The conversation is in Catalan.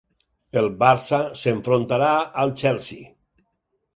El Barça s'enfrontarà al Chelsea